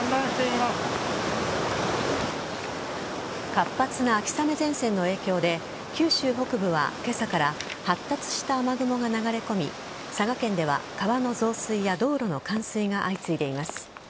活発な秋雨前線の影響で九州北部は今朝から発達した雨雲が流れ込み佐賀県では、川の増水や道路の冠水が相次いでいます。